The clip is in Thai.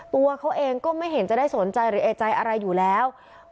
ตัวเขาเองก็ไม่เห็นจะได้สนใจหรือเอกใจอะไรอยู่แล้ว